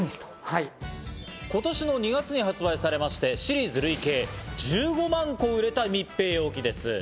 今年の２月に発売されまして、シリーズ累計１５万個売れた、密閉容器です。